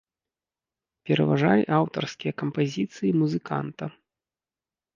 Пераважалі аўтарскія кампазіцыі музыканта.